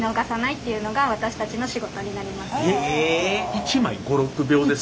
１枚５６秒ですか？